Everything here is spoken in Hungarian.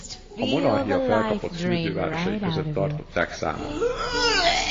A Monarchia felkapott fürdővárosai között tartották számon.